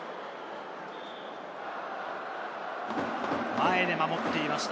前で守っていました